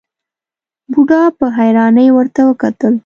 بوډا په حيرانۍ ورته وکتل.